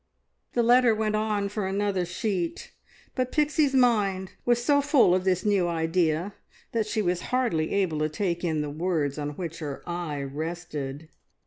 The letter went on for another sheet, but Pixie's mind was so full of this new idea that she was hardly able to take in the words, on which her eye rested.